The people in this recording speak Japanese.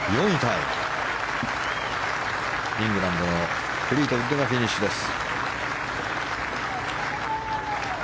イングランドのフリートウッドがフィニッシュです。